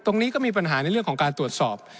ตรงนี้ก็มีปัญหาในเรื่องของการตรวจสอบ